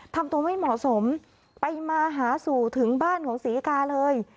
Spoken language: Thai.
ทำตัวไม่เหมาะสมไปมาหาสู่ถึงบ้านของศรีกาเลย